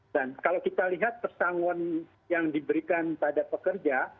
dan kalau kita lihat persangon yang diberikan pada pekerja